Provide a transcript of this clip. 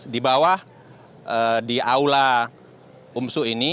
di bawah di aula umsu ini